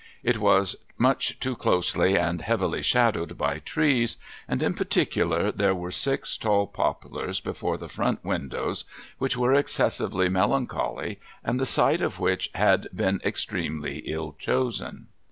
'' It was much too closely and heavily shadowed by trees, and, in particular, there were six tall poplars before the front windows, which were excessively melancholy, and the site of which had been extremely ill chosen.